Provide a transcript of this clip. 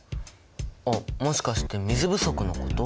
あっもしかして水不足のこと？